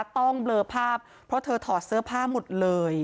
ต้องเบลอภาพเพราะเธอถอดเสื้อผ้าหมดเลย